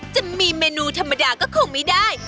จะมีเมนูธรรมดาก็คงไม่ได้